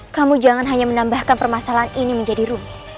kamu jangan hanya menambahkan permasalahan ini menjadi rumit